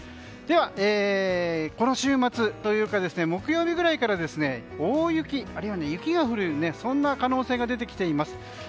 では、この週末というか木曜日ぐらいから大雪あるいは雪が降る可能性が出てきています。